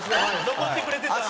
残ってくれてた。